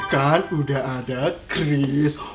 kan udah ada kris